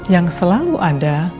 yang selalu ada